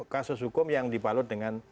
kasus hukum yang dibalut dengan